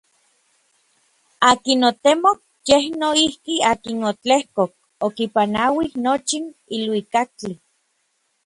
Akin otemok yej noijki akin otlejkok okipanauij nochin iluikaktli.